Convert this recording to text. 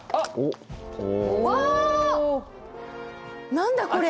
何だこれ。